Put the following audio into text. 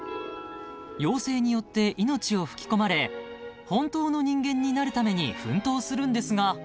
［妖精によって命を吹き込まれ本当の人間になるために奮闘するんですが］